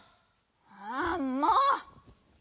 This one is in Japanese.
あもう！